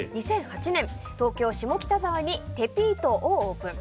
２００８年東京・下北沢にテピートをオープン。